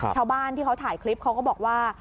ชาวบ้านที่เขาถ่ายคลิปเขาก็บอกว่า